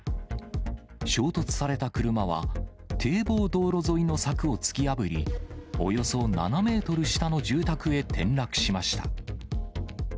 衝突された車は、堤防道路沿いの柵を突き破り、およそ７メートル下の住宅へ転落しました。